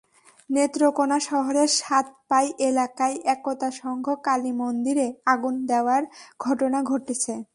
নেত্রকোনা শহরের সাতপাই এলাকায় একতা সংঘ কালী মন্দিরে আগুন দেওয়ার ঘটনা ঘটেছে।